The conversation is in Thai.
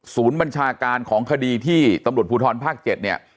บัญชาการของคดีที่ตำรวจภูทรภาค๗เนี่ย